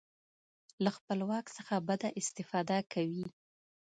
له خپل واک څخه بده استفاده کوي.